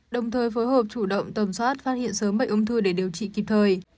đồng thời phối hợp chủ động tầm soát phát hiện sớm bệnh ung thư để điều trị kịp thời